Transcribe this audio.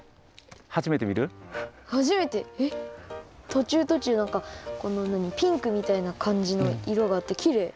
とちゅうとちゅうなんかこのなにピンクみたいなかんじのいろがあってきれい。